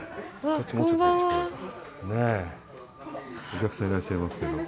お客さんいらっしゃいますけど。